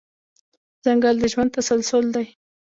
ځنګل د ژوند تسلسل دی.